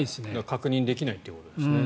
確認できないということですね。